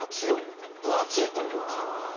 分厚いというか。